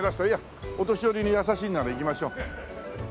お年寄りに優しいなら行きましょう。